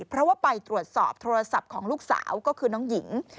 เพราะว่าไปตรวจสอบโทรศัพท์ของลูกสาวก็คือน้องหญิง